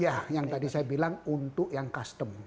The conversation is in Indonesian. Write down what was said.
iya yang tadi saya bilang untuk yang custom